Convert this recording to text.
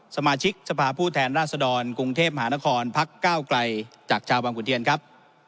สมาชิกสภาพผู้แทนราชดรกรุงเทพมหานครพักก้าวไกลจากชาวบางขุนเทียนครับ